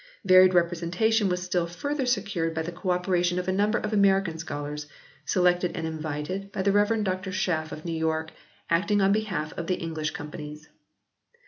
Varied representation was still further secured by the co operation of a number of American scholars, selected and invited by the Rev. Dr Schaff of New York, acting on behalf of the English Companies.